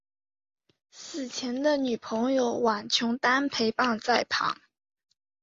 死前的女朋友苑琼丹陪伴在旁。